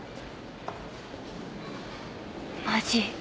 マジ？